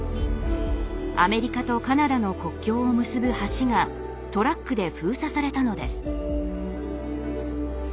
アメリカとカナダの国境を結ぶ橋がトラックで封鎖されたのです。